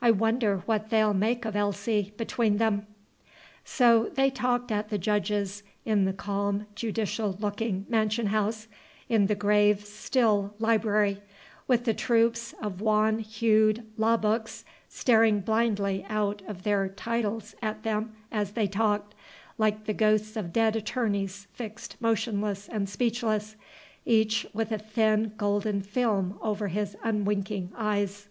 I wonder what they 'll make of Elsie, between them!" So they talked at the Judge's, in the calm, judicial looking mansion house, in the grave, still library, with the troops of wan hued law books staring blindly out of their titles at them as they talked, like the ghosts of dead attorneys fixed motionless and speechless, each with a thin, golden film over his unwinking eyes.